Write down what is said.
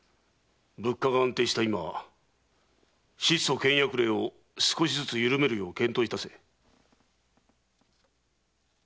物価が安定した今質素倹約令を少しずつ緩めるよう検討いたせ。